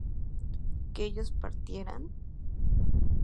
¿que ellos partieran?